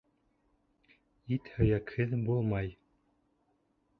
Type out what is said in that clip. Ит һөйәкһеҙ булмай